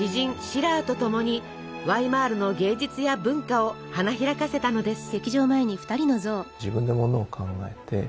シラーとともにワイマールの芸術や文化を花開かせたのです。